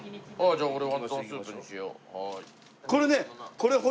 じゃあこれは。